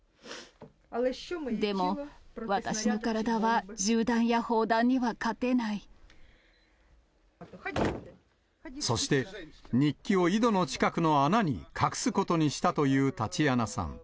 でも、そして、日記を井戸の近くの穴に隠すことにしたというタチアナさん。